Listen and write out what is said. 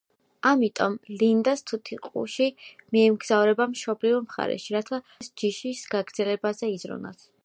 ამიტომ ლინდას თუთიყუში მიემგზავრება მშობლიურ მხარეში, რათა ლურჯი არას ჯიშის გაგრძელებაზე იზრუნოს.